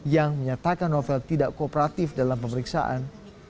yang menyatakan novel tidak kooperatif dalam pemeriksaan